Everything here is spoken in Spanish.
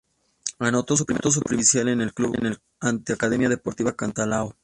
Anotó su primer gol oficial en el club ante Academia Deportiva Cantolao.